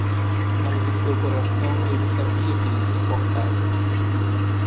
Mas em seu coração ele sabia que isso importava.